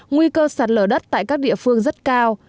nguy cơ sạt lở đất tại các địa phương rất cao